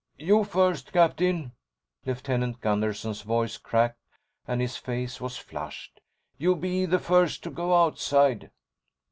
"You first, Captain." Lieutenant Gunderson's voice cracked, and his face was flushed. "You be the first to go outside."